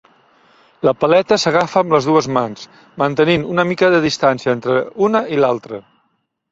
La paleta s'agafa amb les dues mans, mantenint una mica de distància entre una i l'altra.